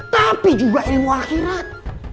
tapi juga ilmu akhirat